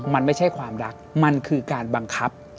มันไม่ใช่ความรักมันคือการบังคับ